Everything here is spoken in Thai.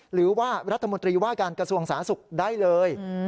หรือว่ารัฐมนตรีว่าการกระทรวงสาธารณสุขได้เลย